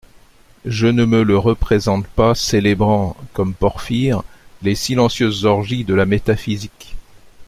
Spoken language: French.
Je ne me le représente pas célébrant, comme Porphyre, les silencieuses orgies de la métaphysique.